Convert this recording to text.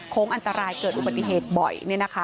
อันตรายเกิดอุบัติเหตุบ่อย